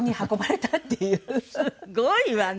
すごいわね！